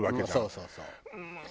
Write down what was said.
そうそうそう。